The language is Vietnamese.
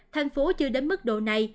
thành phố chưa đến mức độ năng